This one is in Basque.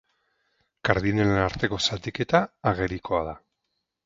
Kardinalen arteko zatiketa agerikoa da.